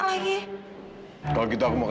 sudah disuruh gitu ya imag